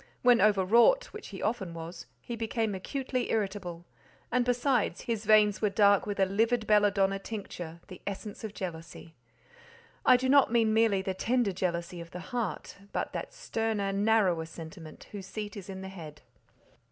When over wrought, which he often was, he became acutely irritable; and, besides, his veins were dark with a livid belladonna tincture, the essence of jealousy. I do not mean merely the tender jealousy of the heart, but that sterner, narrower sentiment whose seat is in the head.